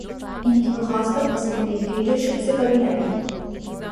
ان کی مخاصمت مسلم لیگ لیڈرشپ سے کبھی نہ رہی۔